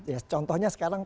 ya contohnya sekarang